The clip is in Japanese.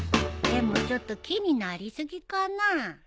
でもちょっと木になり過ぎかな？